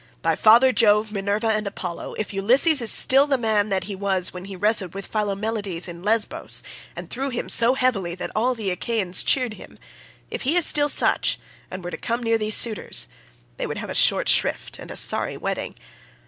By father Jove, Minerva, and Apollo, if Ulysses is still the man that he was when he wrestled with Philomeleides in Lesbos, and threw him so heavily that all the Achaeans cheered him—if he is still such and were to come near these suitors, they would have a short shrift and a sorry wedding.